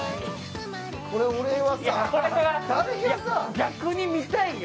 逆に見たいよ。